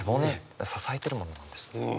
支えてるものなんです。